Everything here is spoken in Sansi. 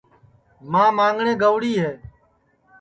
ماں ماںٚگٹؔے گئوڑی ہے